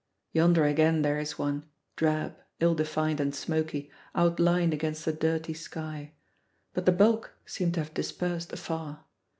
Yonder again there is one, drab, ill defined and smoky, outlined against the dirty sky. But the bulk seem to have dispersed afar.